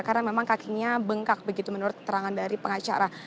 karena memang kakinya bengkak begitu menurut keterangan dari pengacara